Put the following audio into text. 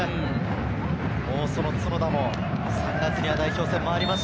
角田も３月には代表戦があります。